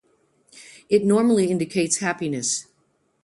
It normally indicates happiness.